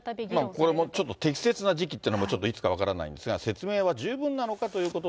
これ適切な時期というのは、ちょっといつか分からないんですが、説明は十分なのかということで。